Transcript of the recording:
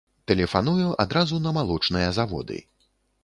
Тэлефаную адразу на малочныя заводы.